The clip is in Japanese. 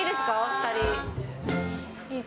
２人。